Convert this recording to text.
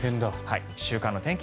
週間の天気